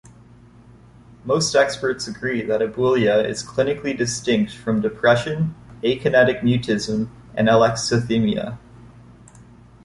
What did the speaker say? Most experts agreed that aboulia is clinically distinct from depression, akinetic mutism, and alexithymia.